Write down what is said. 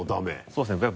そうですね